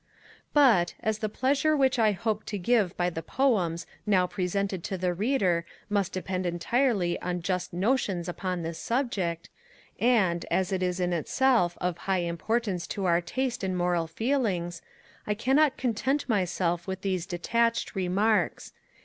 But, as the pleasure which I hope to give by the Poems now presented to the Reader must depend entirely on just notions upon this subject, and, as it is in itself of high importance to our taste and moral feelings, I cannot content myself with these detached remarks.